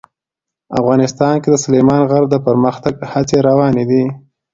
افغانستان کې د سلیمان غر د پرمختګ هڅې روانې دي.